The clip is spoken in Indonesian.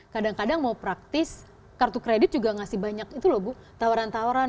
kadang kadang mau praktis kartu kredit juga ngasih banyak itu loh bu tawaran tawaran